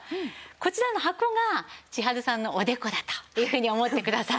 こちらの箱が千春さんのおでこだというふうに思ってください。